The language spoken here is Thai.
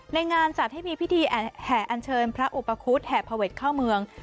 งานจัดให้มีพิธีแห่อันเชิญพระอุปคุฎแห่พระเวทเข้าเมือง